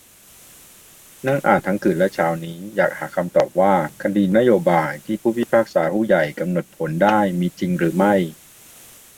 นั่งอ่านทั้งคืนและเช้านี้ อยากหาคำตอบว่า "คดีนโยบาย" ที่ผู้พิพากษาผู้ใหญ่กำหนดผลได้ มีจริงหรือไม่ ?